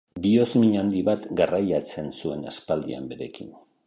Bihozmin handi bat garraiatzen zuen aspaldian berekin.